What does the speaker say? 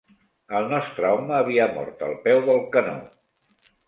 El nostre home havia mort al peu del canó